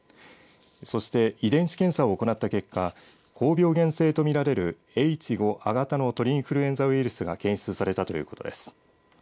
そして、遺伝子検査を行った結果高病原性と見られるＨ５亜型の鳥インフルエンザウイルスが検出されたということです。